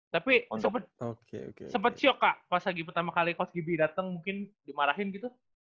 tapi sempet syok kak pas lagi pertama kali coach gibi dateng mungkin dimarahin gitu